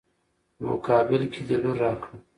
په مقابل کې د لور راکړه.